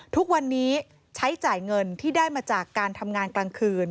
ทุกวันนี้ใช้จ่ายเงินที่ได้มาจากการทำงานกลางคืน